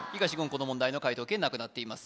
この問題の解答権なくなっています